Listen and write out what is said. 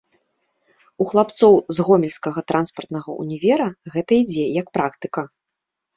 У хлапцоў з гомельскага транспартнага ўнівера гэта ідзе, як практыка.